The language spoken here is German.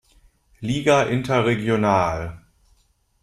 Liga interregional".